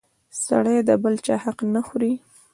سړی د بل چا حق نه خوري!